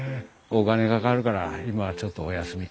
お金かかるから今はちょっとお休み。